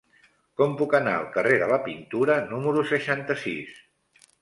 Com puc anar al carrer de la Pintura número seixanta-sis?